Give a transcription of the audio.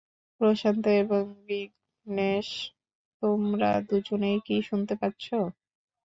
প্রশান্ত এবং বিঘ্নেশ, তোমার দুজনেই কি শুনতে পাচ্ছ?